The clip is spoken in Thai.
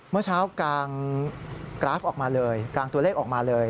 เมื่อเช้ากางกราฟออกมาเลยกลางตัวเลขออกมาเลย